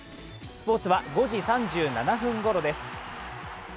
スポーツは５時３７分ごろです。